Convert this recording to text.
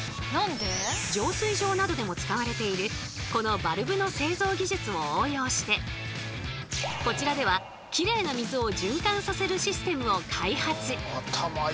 浄水場などでも使われているこのバルブの製造技術を応用してこちらではきれいな水を循環させるシステムを開発。